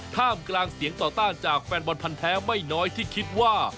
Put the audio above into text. ท่ามกลางเสียงต่อต้านจากแฟนบอลพันธ์แท้ไม่น้อยที่คิดว่า